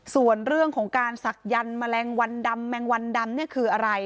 ส่วนเรื่องของการศักยันต์แมลงวันดำแมงวันดำเนี่ยคืออะไร